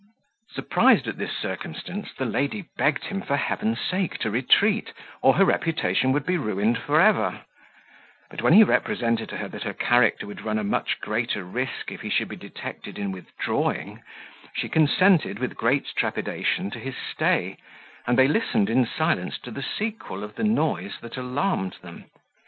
Surprised at this circumstance, the lady begged him for heaven's sake to retreat, or her reputation would be ruined for ever; but when he represented to her, that her character would run a much greater risk if he should be detected in withdrawing, she consented, with great trepidation, to his stay, and they listened in silence to the sequel of the noise that alarmed them.